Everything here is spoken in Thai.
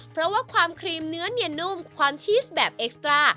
เพราะว่าความครีมเนื้อเนียนนุ่มความชีสแบบเอ็กซ์ตรา